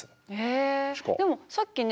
えでもさっきね